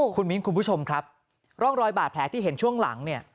คุณมิ้นคุณผู้ชมครับร่องรอยบาดแผลที่เห็นช่วงหลังเนี่ย